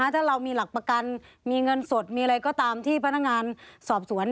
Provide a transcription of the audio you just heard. ถ้าเรามีหลักประกันมีเงินสดมีอะไรก็ตามที่พนักงานสอบสวน